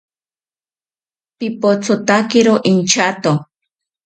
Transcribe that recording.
Pipothotakiro inchato